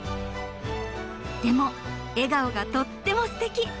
でも笑顔がとってもステキ！